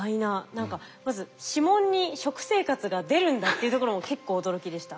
何かまず指紋に食生活が出るんだっていうところも結構驚きでした。